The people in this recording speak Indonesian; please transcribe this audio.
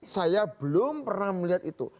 saya belum pernah melihat itu